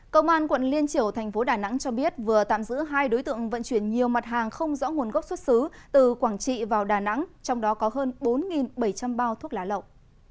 công an quận liên triểu thành phố đà nẵng cho biết vừa tạm giữ hai đối tượng vận chuyển nhiều mặt hàng không rõ nguồn gốc xuất xứ từ quảng trị vào đà nẵng trong đó có hơn bốn bảy trăm linh bao thuốc lá lậu